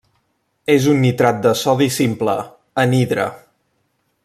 És un nitrat de sodi simple, anhidre.